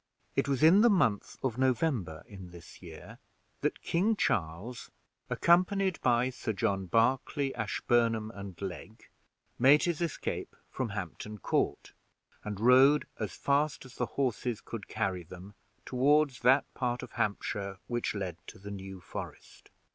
It was in the month of November in this year that King Charles, accompanied by Sir John Berkely, Ashburnham, and Legg, made his escape from Hampton Court, and rode as fast as the horses could carry them toward that part of Hampshire which led to the New Forest.